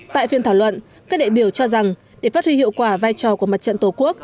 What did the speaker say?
tại phiên thảo luận các đại biểu cho rằng để phát huy hiệu quả vai trò của mặt trận tổ quốc